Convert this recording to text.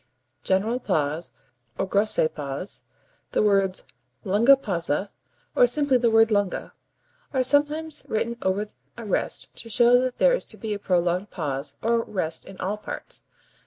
P. (general pause, or grosse pause), the words lunga pausa, or simply the word lunga, are sometimes written over a rest to show that there is to be a prolonged pause or rest in all parts.